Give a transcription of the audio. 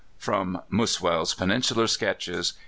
From Muswell's "Peninsular Sketches."